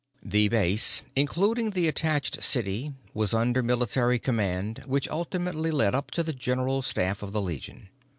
The base, including the attached city, was under military command which ultimately led up to the general staff of the Legion.